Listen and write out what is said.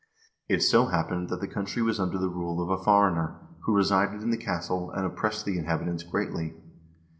It so happened that the country was under the rule of a foreigner, who resided in the castle, and oppressed the inhabitants greatly.